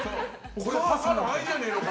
母の愛じゃねえのか？